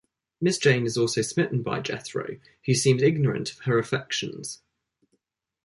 Miss Jane is also smitten by Jethro, who seems ignorant of her affections.